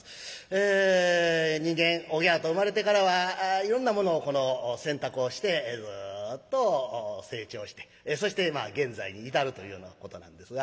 え人間オギャーと生まれてからはいろんなものを選択をしてずっと成長してそしてまあ現在に至るというようなことなんですが。